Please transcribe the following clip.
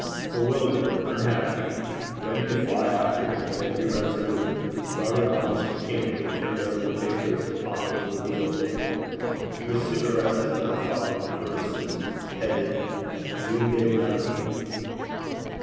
Bewildered, unhappy, ready to fly after him, yet irresolute, Robert almost mechanically turned over the papers upon the little deal table. He was soon arrested by the following verses, headed: A NOONDAY MELODY.